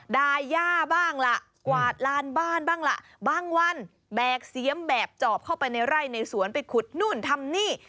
ดาย่าบ้างล่ะกวาดลานบ้านบ้างล่ะบางวันแบกเสียมแบบจอบเข้าไปในไร่ในสวนไปขุดนู่นทำนี่